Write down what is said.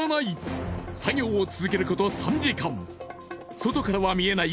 外からは見えない